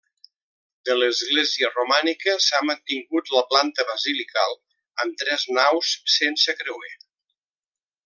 De l'església romànica s'ha mantingut la planta basilical, amb tres naus sense creuer.